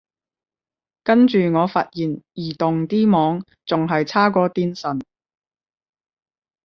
跟住我發現移動啲網仲係差過電信